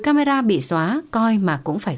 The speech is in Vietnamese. camera bị xóa coi mà cũng phải